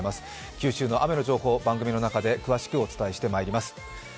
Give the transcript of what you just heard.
九州の雨の情報、番組の中で詳しくお伝えしてまいります。